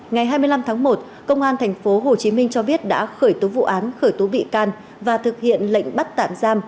ngày hai mươi năm tháng một công an thành phố hồ chí minh cho biết đã khởi tố vụ án khởi tố bị can và thực hiện lệnh bắt tạm giam